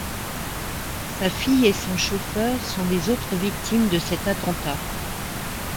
Sa fille et son chauffeur sont les autres victimes de cet attentat.